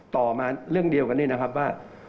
ต่อมาเรื่องเดียวกันนี่ว่า